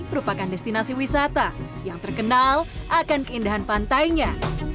merupakan destinasi wisata yang terkenal akan keindahan pantainya